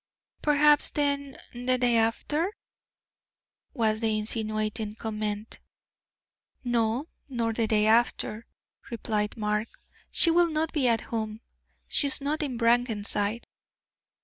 "Perhaps, then, the day after?" was the insinuating comment. "No, nor the day after," replied Mark; "she will not be at home she is not in Brackenside."